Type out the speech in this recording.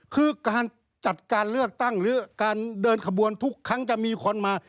คือการจัดการเลือกตั้งหรือการเดินขบวนทุกครั้งจะมีคนมา